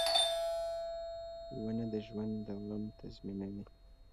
• ونه د ژوند دوام تضمینوي.